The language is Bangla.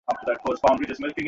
মেল গিবসন, আয়!